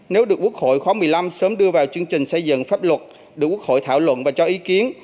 nếu được quốc hội khóa một mươi năm sớm đưa vào chương trình xây dựng pháp luật được quốc hội thảo luận và cho ý kiến